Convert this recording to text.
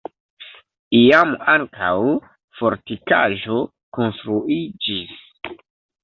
Iam ankaŭ fortikaĵo konstruiĝis.